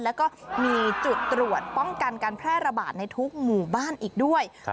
แล้วก็มีจุดตรวจป้องกันการแพร่ระบาดในทุกหมู่บ้านอีกด้วย